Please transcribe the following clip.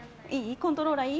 コントローラーいい？